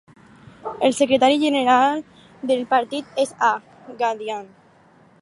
El secretari general del partit és A. Gandhian.